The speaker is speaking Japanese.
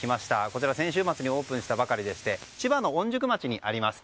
こちらは先週末にオープンしたばかりでして千葉の御宿町にあります。